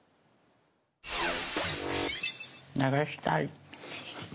流したい。